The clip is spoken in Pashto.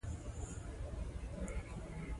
هغه په فلسطین کې مېشت شو.